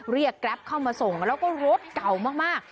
แกรปเข้ามาส่งแล้วก็รถเก่ามาก